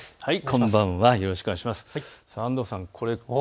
こんばんは。